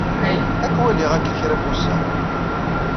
Ad k-waliɣ akk-a kra n wussan.